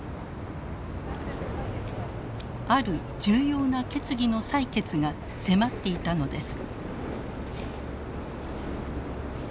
ある重要な決議の採決が迫っていたのです。